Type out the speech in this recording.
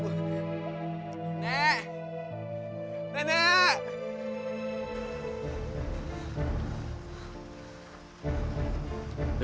ibu sekadar ibu